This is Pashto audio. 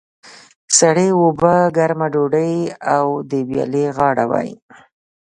سړې اوبه، ګرمه ډودۍ او د ویالې غاړه وای.